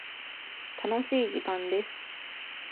楽しい時間です。